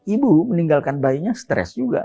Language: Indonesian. ibu meninggalkan bayinya stres juga